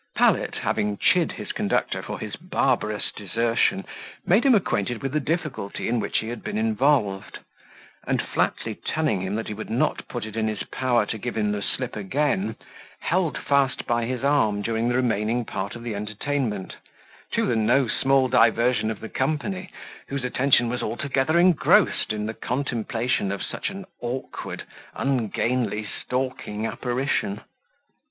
Pallet, having chid his conductor for his barbarous desertion, made him acquainted with the difficulty in which he had been involved; and flatly telling him he would not put it in his power to give him the slip again, held fast by his arm during the remaining part of the entertainment, to the no small diversion of the company, whose attention was altogether engrossed in the contemplation of such an awkward, ungainly, stalking apparition.